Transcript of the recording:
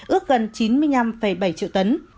ước gần chín mươi năm bảy triệu tấn